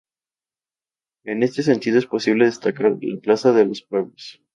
En este sentido es posible destacar la Plaza de los Pueblos.